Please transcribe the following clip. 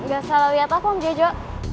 gak salah liat apa om jojo